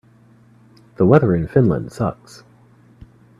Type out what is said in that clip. The weather in Finland sucks.